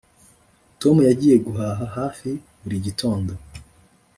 Tom yagiye guhaha hafi buri gitondo